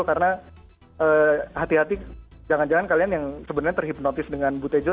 karena hati hati jangan jangan kalian yang sebenarnya terhipnotis dengan butejo